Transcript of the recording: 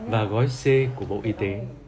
và gói c của bộ y tế